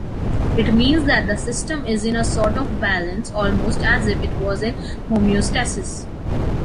It means that the system is in a sort of balance almost as if it was in homeostasis.